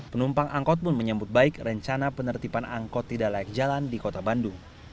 penumpang angkut pun menyebut baik rencana penertiban angkut tidak layak jalan di kota bandung